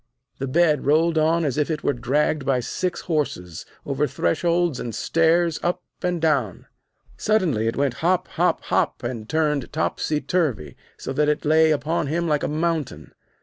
The bed rolled on as if it were dragged by six horses; over thresholds and stairs, up and down. Suddenly it went hop, hop, hop, and turned topsy turvy, so that it lay upon him like a mountain.